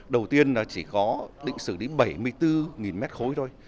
đầu tiên là chỉ có định xử đến bảy mươi bốn mét khối thôi